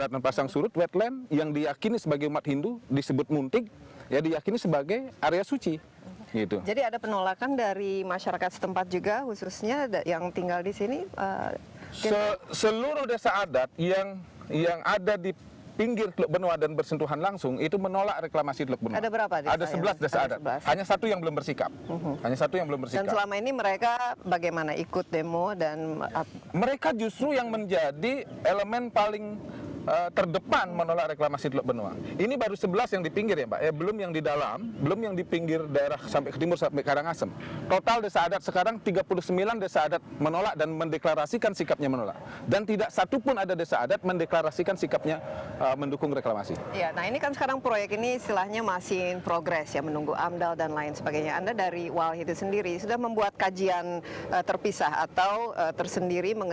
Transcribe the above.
mereka membuat riset kemudian